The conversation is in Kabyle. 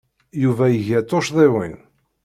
Yuba iga tuccḍiwin.